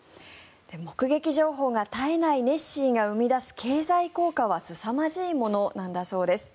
目撃情報が絶えないネッシーが生み出す経済効果はすさまじいものなんだそうです。